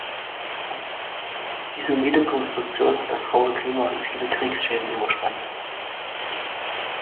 Die solide Konstruktion hat das raue Klima und viele Kriegsschäden überstanden.